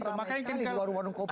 ramai sekali di warung warung kopi